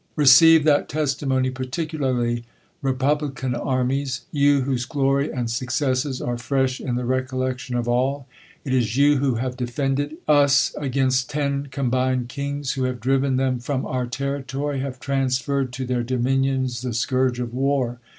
Receive that testimony particularly, republican ar tnies ; you, whose glory and successes are fresh in the recollection 84 THE COLUMBIAN ORATOR. rccoIiecLion of all. It is you who have defended !is against ton combined kings ; who have driven them from our territory ; have transferred to their dominions the scourge of war.